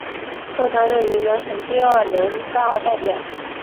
后担任云南省第二届人大代表。